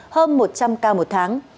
hơn một trăm linh ca một tháng